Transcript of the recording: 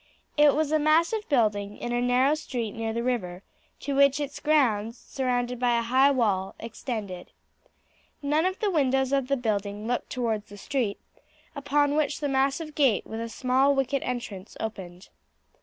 It was a massive building, in a narrow street near the river, to which its grounds, surrounded by a high wall, extended. None of the windows of the building looked towards the street, upon which the massive gate, with a small wicket entrance, opened.